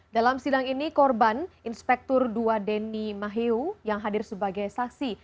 dalam sidang ini korban inspektur dua deni maheu yang hadir sebagai saksi